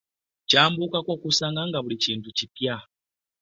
Kyambuukako okusanga nga buli kintu kipya!